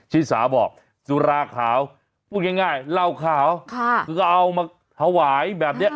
แหมว่าพูดถึงไม่ได้เลยนะ